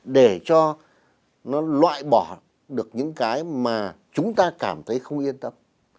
để cho nó loại bỏ được những cái mà chúng ta cảm thấy không yên tâm